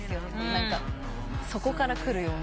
何か底から来るような。